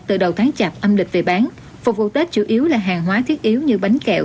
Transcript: từ đầu tháng chạp âm lịch về bán phục vụ tết chủ yếu là hàng hóa thiết yếu như bánh kẹo